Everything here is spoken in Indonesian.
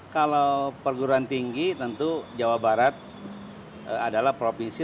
kalau perguruan tinggi tentu jawa barat adalah provinsi